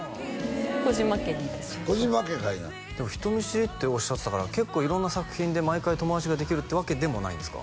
児嶋家なんで児嶋家かいな人見知りっておっしゃってたから結構色んな作品で毎回友達ができるってわけでもないんですか？